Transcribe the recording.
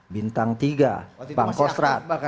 bintang tiga pak kostrad